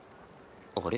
あれ？